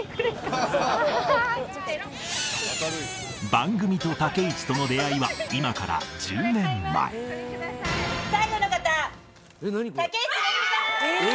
番組と武市との出会いは今から１０年前最後の方武市萌美さん！